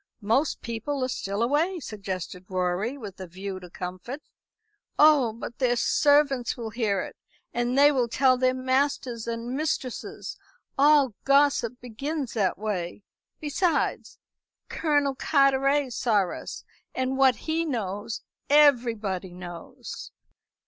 "Most people are still away," suggested Rorie, with a view to comfort. "Oh, but their servants will hear it, and they will tell their masters and mistresses. All gossip begins that way. Besides, Colonel Carteret saw us, and what he knows everybody knows."